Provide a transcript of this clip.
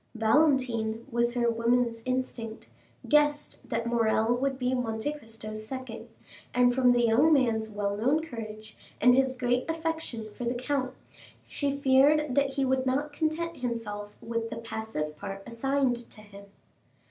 Valentine, with her woman's instinct, guessed that Morrel would be Monte Cristo's second, and from the young man's well known courage and his great affection for the count, she feared that he would not content himself with the passive part assigned to him.